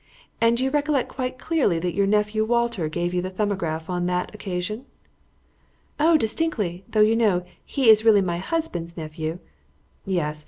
"And you recollect quite clearly that your nephew Walter gave you the 'Thumbograph' on that occasion?" "Oh, distinctly; though, you know, he is really my husband's nephew " "Yes.